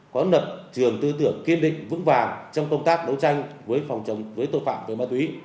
có nập trường tư tưởng kiên định vững vàng trong công tác đấu tranh với tội phạm với ma túy